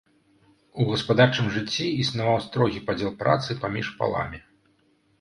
У гаспадарчым жыцці існаваў строгі падзел працы паміж паламі.